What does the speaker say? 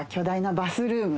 バスルーム？